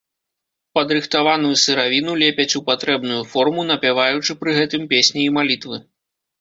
Падрыхтаваную сыравіну лепяць у патрэбную форму, напяваючы пры гэтым песні і малітвы.